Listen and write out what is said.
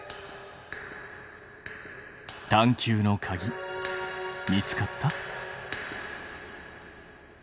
探究のかぎ見つかった？